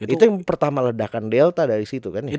itu yang pertama ledakan delta dari situ kan ya